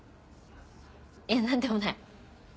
いや何でもない。